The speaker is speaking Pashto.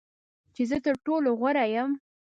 چې زه تر ټولو غوره یم .